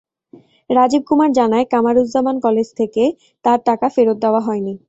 রাজীব কুমার জানায়, কামারুজ্জামান কলেজ থেকে তার টাকা ফেরত দেওয়া হয়নি।